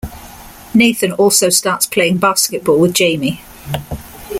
Nathan also starts playing basketball with Jamie.